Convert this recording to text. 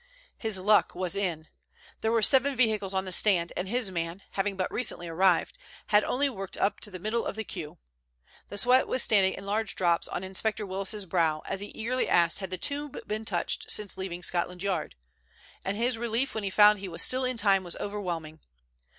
His luck was in. There were seven vehicles on the stand, and his man, having but recently arrived, had only worked up to the middle of the queue. The sweat was standing in large drops on Inspector Willis's brow as he eagerly asked had the tube been touched since leaving Scotland Yard, and his relief when he found he was still in time was overwhelming.